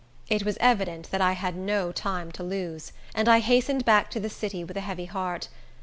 It was evident that I had no time to lose; and I hastened back to the city with a heavy heart.